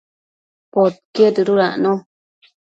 Podquied dëdudacno